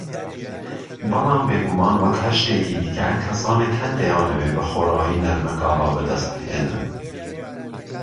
بەڵام بیگومان وەک هەر شتێکی دیکە، کەسانێک هەن دەیانەوێ بەخۆڕایی نەرمەکاڵا بەدەست بهێنن